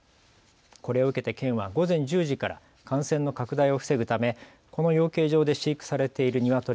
これを受けて県は午前１０時から感染の拡大を防ぐためこの養鶏場で飼育されているニワトリ